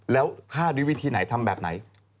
แล้วฆ่าด้วยวิธีไหนทำแบบไหน